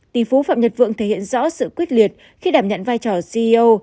tỷ phú phạm nhật vượng thể hiện rõ sự quyết liệt khi đảm nhận vai trò ceo